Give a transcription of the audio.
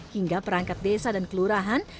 hingga perangkat desa dan kelurahan